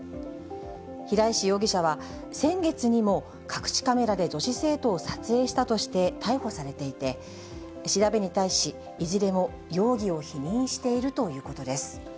平石容疑者は、先月にも隠しカメラで女子生徒を撮影したとして逮捕されていて、調べに対し、いずれも容疑を否認しているということです。